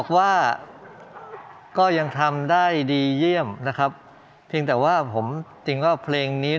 ความทรงความทรงความเต็มความยังไหว